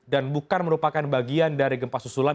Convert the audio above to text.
dan bukan merupakan bagian dari gempa susulan